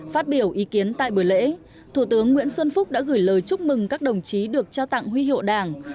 phát biểu ý kiến tại buổi lễ thủ tướng nguyễn xuân phúc đã gửi lời chúc mừng các đồng chí được trao tặng huy hiệu đảng